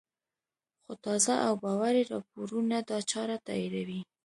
خو تازه او باوري راپورونه دا چاره تاییدوي